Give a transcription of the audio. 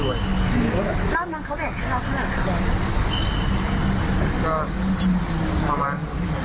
แล้วเราเอาขนเงินให้เขาแบ่งไหน